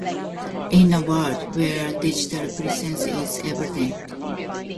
"In a world where digital presence is everything.."